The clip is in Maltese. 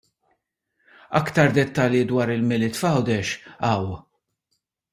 Aktar dettalji dwar il-Milied f'Għawdex hawn.